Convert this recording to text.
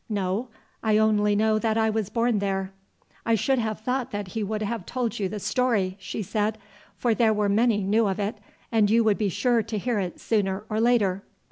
"No; I only know that I was born there." "I should have thought that he would have told you the story," she said; "for there were many knew of it, and you would be sure to hear it sooner or later."